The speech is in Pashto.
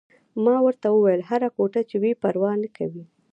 ما ورته وویل: هره کوټه چې وي، پروا نه کوي.